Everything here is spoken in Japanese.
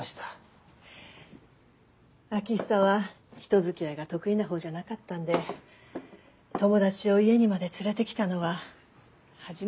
秋寿は人づきあいが得意な方じゃなかったんで友達を家にまで連れてきたのは初めてだったんですよ。